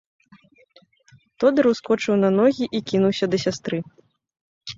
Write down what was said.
Тодар ускочыў на ногі і кінуўся да сястры.